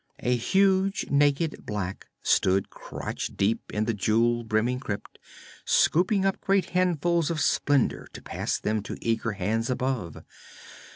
A huge naked black stood crotch deep in the jewel brimming crypt, scooping up great handfuls of splendor to pass them to eager hands above.